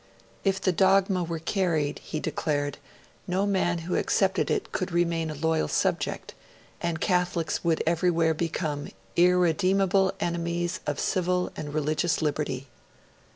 If the Dogma were carried he declared, no man who accepted it could remain a loyal subject and Catholics would everywhere become 'irredeemable enemies of civil and religious liberty'.